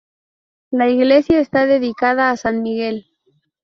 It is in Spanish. La iglesia está dedicada a san Miguel.